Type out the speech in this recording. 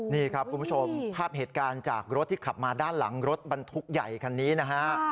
นี่ครับคุณผู้ชมภาพเหตุการณ์จากรถที่ขับมาด้านหลังรถบรรทุกใหญ่คันนี้นะฮะ